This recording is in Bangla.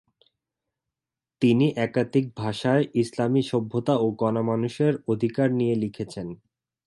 তিনি একাধিক ভাষায় ইসলামি সভ্যতা ও গণমানুষের অধিকার নিয়ে লিখেছেন।